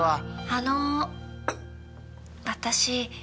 あの私。